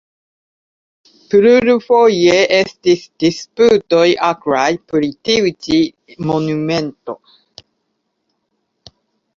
Plurfoje estis disputoj akraj pri tiu ĉi monumento.